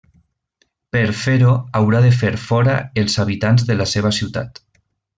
Per fer-ho haurà de fer fora els habitants de la seva ciutat.